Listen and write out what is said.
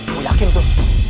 aku yakin tuh